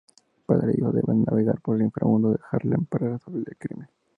Padre e hijo deben navegar por el inframundo de Harlem para resolver el crimen.